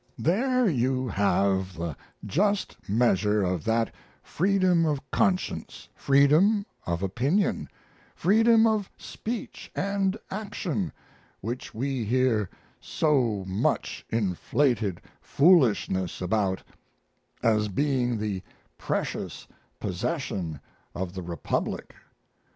There you have the just measure of that freedom of conscience, freedom of opinion, freedom of speech and action which we hear so much inflated foolishness about as being the precious possession of the republic.